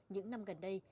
những năm gần đây